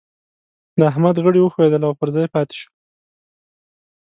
د احمد غړي وښوئېدل او پر ځای پاته شو.